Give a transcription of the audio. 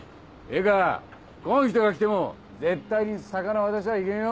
ええかこん人が来ても絶対に魚渡したらいけんよ。